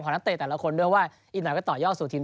นักเตะแต่ละคนด้วยว่าอีกหน่อยก็ต่อยอดสู่ทีม